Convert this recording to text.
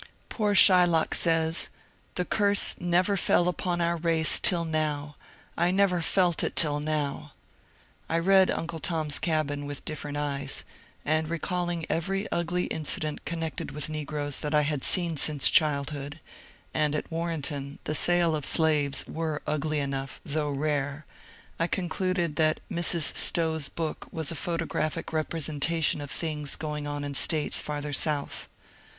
Poor Shylock says :" The curse never fell upon our race till now ; I never felt it till now." I read '' Uncle Tom's Cabin " with different eyes ; and recalling every ugly incident con nected with negroes that I had seen since childhood, — and at Warrenton the sales of slaves were ugly enough though rare, — I concluded that Mrs. Stowe's book was a photograpliic representation of things going on in States farther south.